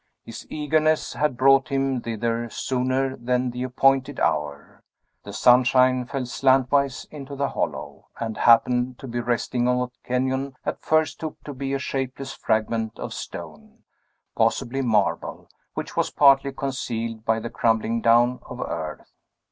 His eagerness had brought him thither sooner than the appointed hour. The sunshine fell slantwise into the hollow, and happened to be resting on what Kenyon at first took to be a shapeless fragment of stone, possibly marble, which was partly concealed by the crumbling down of earth.